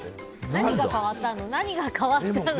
何が変わったの？